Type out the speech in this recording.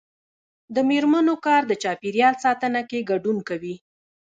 د میرمنو کار د چاپیریال ساتنه کې ګډون کوي.